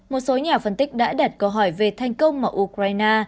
một số nhà phân tích đã đặt câu hỏi về thành công mà ukraine